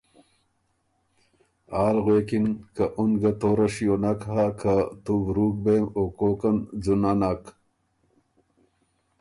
آل غوېکِن که ”اُن ګۀ توره شیو نک هۀ که تُو ورُوک بېم او کوکن ځُونۀ نک“